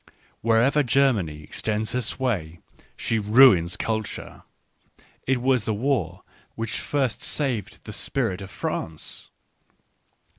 Wherever Germany extends her sway, she ruins culture. It was the war which first saved the spirit of France.